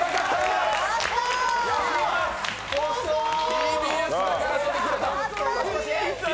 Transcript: ＴＢＳだから出てくれた！